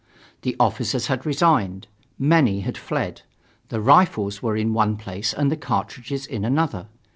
The officers had resigned. Many had fled. The rifles were in one place and the cartridges in another.